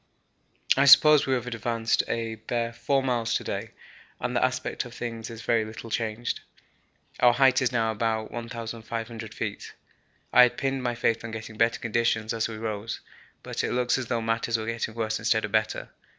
I suppose we have advanced a bare 4 miles to day and the aspect of things is very little changed. Our height is now about 1,500 feet; I had pinned my faith on getting better conditions as we rose, but it looks as though matters were getting worse instead of better.